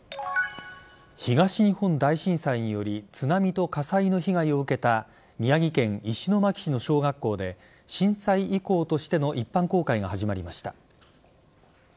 東日本大震災により津波と火災の被害を受けた宮城県石巻市の小学校で震災遺構としての一般公開が始まりました。